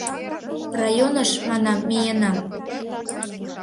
— Районыш, манам, миенам...